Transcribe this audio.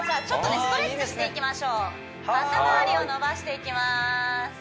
ちょっとねストレッチしていきましょう肩まわりを伸ばしていきまーす